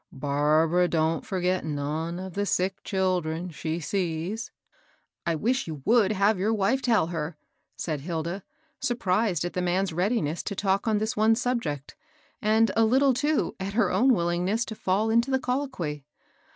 Barbara don't forget none of the sick children she sees." "I wish ^ou toonid have your wife tell her," said Hilda, surprised at the man's readiness to talk on this one subject, and a little, too, at her own willingness to fall into the colloquy.